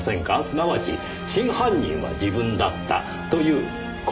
すなわち真犯人は自分だったという告白本を。